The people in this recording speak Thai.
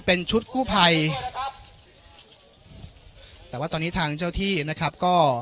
เป็นชุดกู้ภัยแต่ว่าตอนนี้ทางเจ้าที่นะครับก็